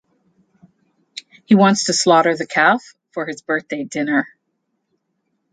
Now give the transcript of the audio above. He wants to slaughter the calf for his birthday dinner.